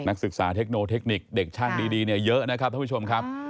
นักศึกษาเทคโนเทคนิคเด็กช่างดีเนี่ยเยอะนะครับท่านผู้ชมครับ